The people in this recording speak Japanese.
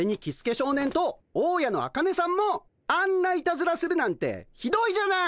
少年と大家のアカネさんもあんないたずらするなんてひどいじゃない！